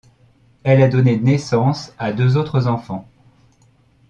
Elle a donné naissance à deux autres enfants.